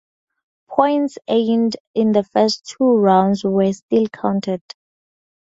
Points earned in the first two rounds were still counted.